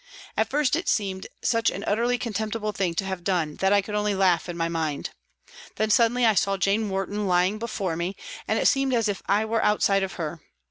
At first it seemed such an utterly contemptible thing to have done that I could only laugh in my mind. Then suddenly I saw Jane Warton lying before me, and it seemed as if I were outside of her.